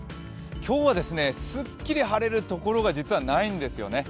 今日は、すっきり晴れる所が実はないんですね。